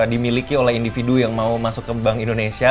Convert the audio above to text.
dimiliki oleh individu yang mau masuk ke bank indonesia